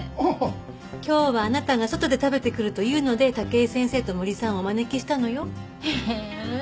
今日はあなたが外で食べてくるというので武井先生と森さんをお招きしたのよ。ええ？